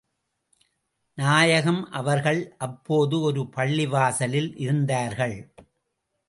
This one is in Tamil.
நாயகம் அவர்கள் அப்போது ஒரு பள்ளிவாசலில் இருந்தார்கள்.